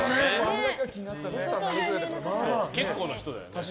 結構な人だよね。